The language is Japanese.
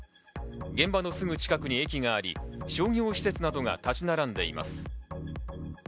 現場のすぐ近くに駅があり、商業施設などが立ち並んでいます。